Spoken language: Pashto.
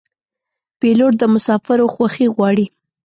پیلوټ د مسافرو خوښي غواړي.